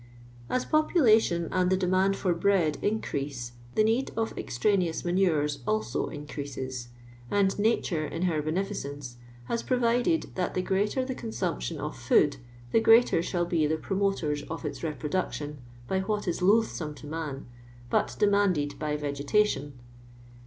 As population and the demand for bread increase, the need of extraneous manures also increases ; and Nature in her beneficence has provided that the greater the c«>nsumption of food, the greater shall be the promoters of its reproduction by what is loath some to man, but demanded by vegetation.